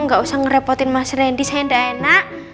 nggak usah ngerepotin mas rendy saya enggak enak